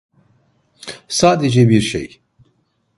Sadece bir şey.